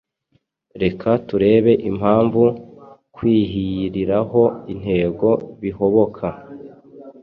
Reka turebe impamvu kwihyiriraho intego bihoboka